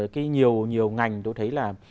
cái nhiều nhiều ngành tôi thấy là